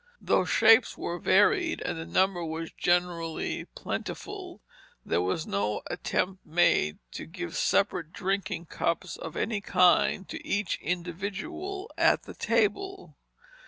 Though shapes were varied, and the number was generally plentiful, there was no attempt made to give separate drinking cups of any kind to each individual at the table.